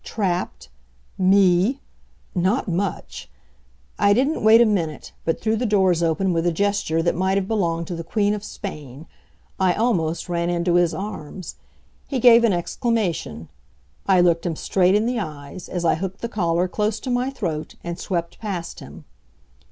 Trapped? Me? Not much! I didn't wait a minute, but threw the doors open with a gesture that might have belonged to the Queen of Spain. I almost ran into his arms. He gave an exclamation. I looked him straight in the eyes, as I hooked the collar close to my throat, and swept past him.